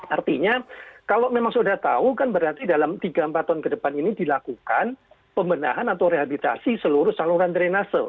artinya kalau memang sudah tahu kan berarti dalam tiga empat tahun ke depan ini dilakukan pembenahan atau rehabilitasi seluruh saluran drenase